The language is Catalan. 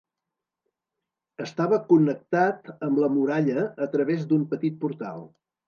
Estava connectat amb la muralla a través d'un petit portal.